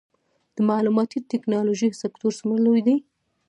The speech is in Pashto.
د معلوماتي ټیکنالوژۍ سکتور څومره لوی دی؟